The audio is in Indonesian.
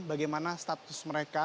bagaimana status mereka